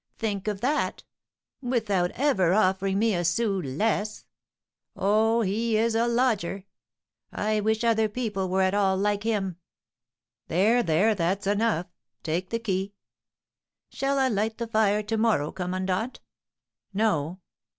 Think of that! without ever offering me a sou less. Oh, he is a lodger! I wish other people were at all like him!" "There, there, that's enough; take the key." "Shall I light the fire to morrow, commandant?" "No!"